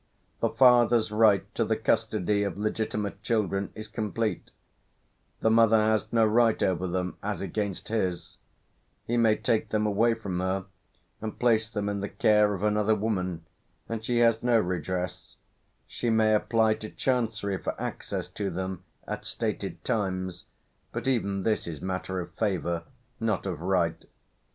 The father's right to the custody of legitimate children is complete; the mother has no right over them as against his; he may take them away from her, and place them in the care of another woman, and she has no redress; she may apply to Chancery for access to them at stated times, but even this is matter of favour, not of right.